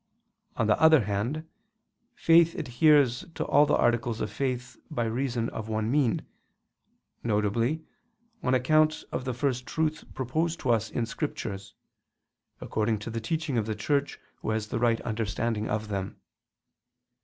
On the other hand faith adheres to all the articles of faith by reason of one mean, viz. on account of the First Truth proposed to us in Scriptures, according to the teaching of the Church who has the right understanding of them.